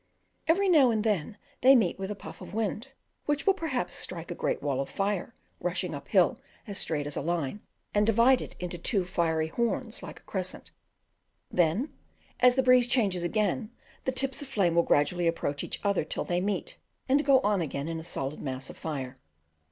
Every now and then they meet with a puff of wind, which will perhaps strike a great wall of fire rushing up hill as straight as a line, and divide it into two fiery horns like a crescent; then as the breeze changes again, the tips of flame will gradually approach each other till they meet, and go on again in a solid mass of fire.